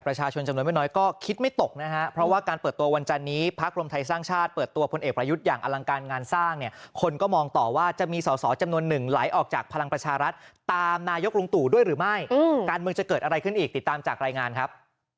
จำนวนไม่น้อยก็คิดไม่ตกนะฮะเพราะว่าการเปิดตัววันจันนี้พักรวมไทยสร้างชาติเปิดตัวพลเอกประยุทธ์อย่างอลังการงานสร้างเนี่ยคนก็มองต่อว่าจะมีสอสอจำนวนหนึ่งไหลออกจากพลังประชารัฐตามนายกลุงตู่ด้วยหรือไม่การเมืองจะเกิดอะไรขึ้นอีกติดตามจากรายงานครับ